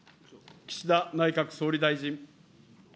岸田内閣総理大臣。